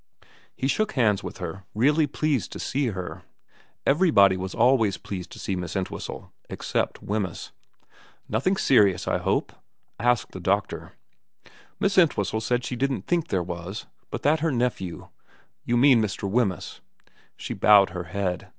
He shook hands with her, really pleased to see her. Everybody was always pleased to see Miss Entwhistle, except Wemyss. VERA 319 * Nothing serious, I hope ?' asked the doctor. Miss Entwhistle said she didn't think there was, but that her nephew ' You mean Mr. Wemyss ?' She bowed her head.